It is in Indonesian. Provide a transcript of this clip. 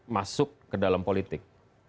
masuk ke dalam politik